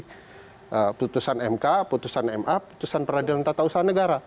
ini kan mas dodi putusan mk putusan ma putusan peradilan tata usaha negara